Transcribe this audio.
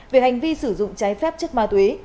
về hành vi sử dụng trái phép chất ma túy